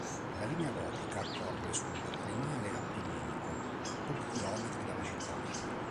La Linea Gotica corre sul crinale appenninico a pochi chilometri dalla città.